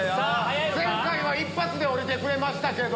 前回は一発で下りてくれましたけど。